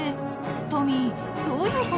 ［トミーどういうこと？］